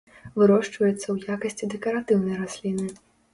Вырошчваецца ў якасці дэкаратыўнай расліны.